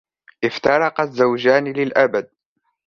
افترق الزوجان للأبد.